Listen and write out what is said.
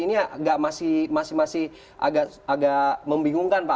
ini masih agak membingungkan pak